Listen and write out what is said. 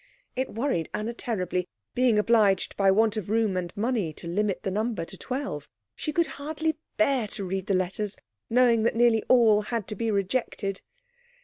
It worried Anna terribly, being obliged by want of room and money to limit the number to twelve. She could hardly bear to read the letters, knowing that nearly all had to be rejected.